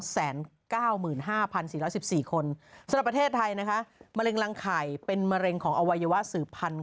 ๕๔๑๔คนสำหรับประเทศไทยนะคะมะเร็งรังไข่เป็นมะเร็งของอวัยวะสืบพันธุ์